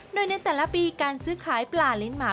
โดยในแต่ละปีการซื้อขายปลาลิ้นหมา